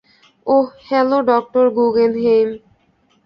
ওহ, hello, ডঃ Guggenheim.